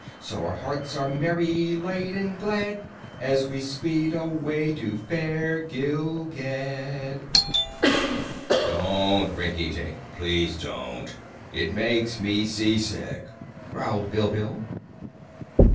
So our hearts are merry, light and glad As we speed away to fair Gilgad!" "Don't, Rinkitink; please don't! It makes me seasick," growled Bilbil.